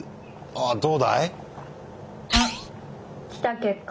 ああどうだい？